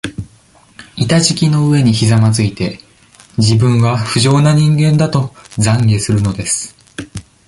板敷きの上にひざまづいて、自分は、不浄な人間だと、懺悔するのです。